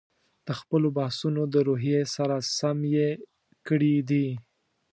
د خپلو بحثونو د روحیې سره سم یې کړي دي.